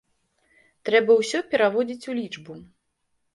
Трэба ўсё пераводзіць у лічбу.